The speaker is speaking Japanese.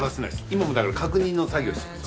今もだから確認の作業してます。